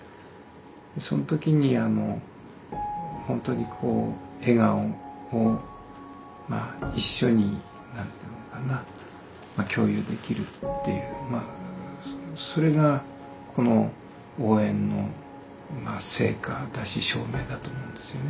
その時にはもう本当に笑顔を一緒に何ていうのかな共有できるっていうそれがこの応援の成果だし証明だと思うんですよね。